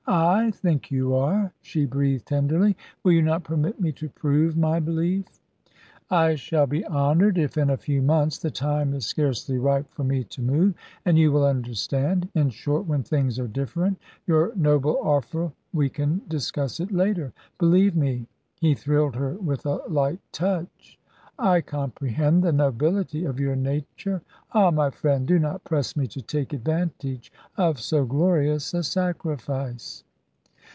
"I think you are," she breathed tenderly. "Will you not permit me to prove my belief?" "I shall be honoured, if in a few months the time is scarcely ripe for me to move; and you will understand. In short, when things are different your noble offer we can discuss it later. Believe me" he thrilled her with a light touch "I comprehend the nobility of your nature. Ah, my friend, do not press me to take advantage of so glorious a sacrifice."